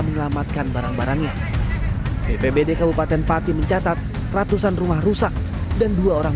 menyelamatkan barang barangnya bpbd kabupaten pati mencatat ratusan rumah rusak dan dua orang